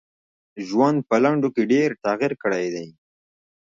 ژوند په لنډو کي ډېر تغیر کړی دی .